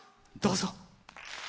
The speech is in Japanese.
どうぞ。